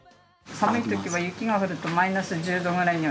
寒いときは雪が降るとマイナス１０度くらいには。